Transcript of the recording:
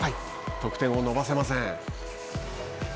得点を伸ばせません。